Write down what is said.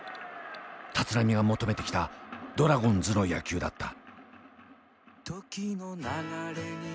立浪が求めてきたドラゴンズの野球だった。